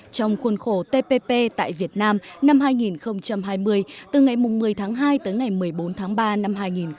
trong khuôn khổ tpp tại việt nam năm hai nghìn hai mươi từ ngày một mươi tháng hai tới ngày một mươi bốn tháng ba năm hai nghìn hai mươi